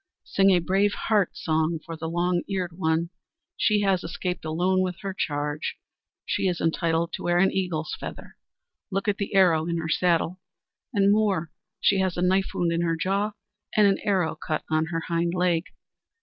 "Sing a Brave Heart song for the Long Eared One! She has escaped alone with her charge. She is entitled to wear an eagle's feather! Look at the arrow in her saddle! and more, she has a knife wound in her jaw and an arrow cut on her hind leg.